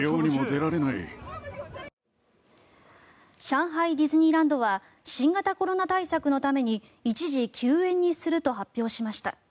上海ディズニーランドは新型コロナ対策のために一時休園にすると発表しました。